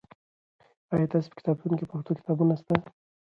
آیا ستاسې په کتابتون کې پښتو کتابونه سته؟